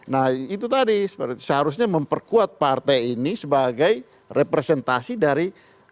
nah itu tadi seharusnya memperkuat partai ini sebagai representasi dari